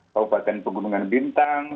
kabupaten pegunungan bintang